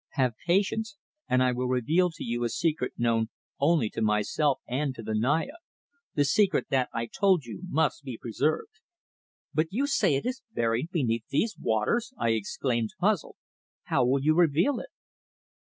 "Have patience, and I will reveal to you a secret known only to myself and to the Naya; the secret that I told you must be preserved." "But you say it is buried beneath these waters!" I exclaimed, puzzled. "How will you reveal it?"